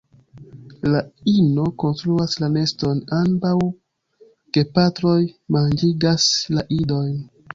La ino konstruas la neston; ambaŭ gepatroj manĝigas la idojn.